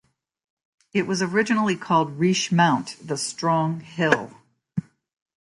It was originally called Riche Mount, 'the strong hill'.